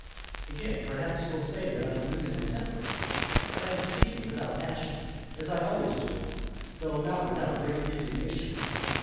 Again, perhaps, you will say that I am losing my temper. But I am speaking without passion, as I always do, though not without great indignation.